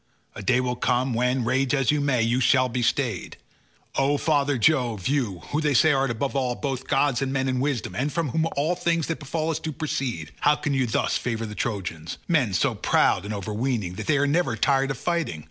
A day will come when, rage as you may, you shall be stayed. O father Jove, you, who they say art above all, both gods and men, in wisdom, and from whom all things that befall us do proceed, how can you thus favour the Trojans—men so proud and overweening, that they are never tired of fighting?